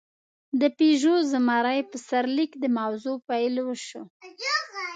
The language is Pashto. د «پيژو زمری» په سرلیک د موضوع پېل وشو.